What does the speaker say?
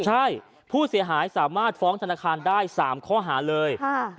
ใช่ผู้เสียหายสามารถฟ้องธนาคารได้๓ข้อหาเลย